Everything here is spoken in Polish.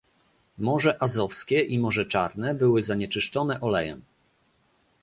Morze Azowskie i Morze Czarne były zanieczyszczone olejem